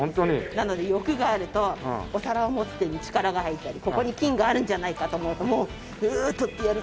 なので欲があるとお皿を持つ手に力が入ったりここに金があるんじゃないかと思うともうウウッ採ってやるぞ。